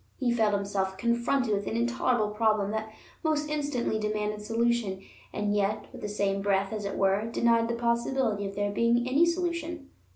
He felt himself confronted with an intolerable problem that most instantly demanded solution, and yet, with the same breath, as it were, denied the possibility of there being any solution.